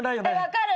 分かる。